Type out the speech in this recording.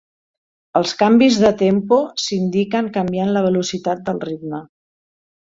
Els canvis de tempo s'indiquen canviant la velocitat del ritme.